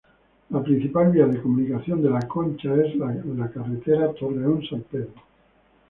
La principal vía de comunicación de La Concha es de la Carretera Torreón-San Pedro.